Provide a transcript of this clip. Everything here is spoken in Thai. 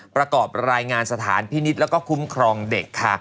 ประกอบรายงานสถานพินิตและคุ้มครองเด็ก